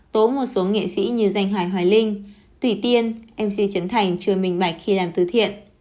tố một số nghệ sĩ như danh hoài hoài linh tùy tiên mc trấn thành chưa minh bạch khi làm tư thiện